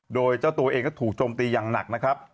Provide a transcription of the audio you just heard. โดยเจ้าตัวเองก็ถูกโจมตีอย่างหนักนะครับ